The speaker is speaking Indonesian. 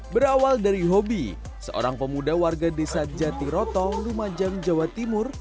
berawal dari hobi seorang pemuda warga desa jatiroto lumajang jawa timur